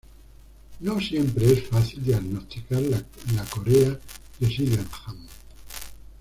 No siempre es fácil diagnosticar la corea de Sydenham.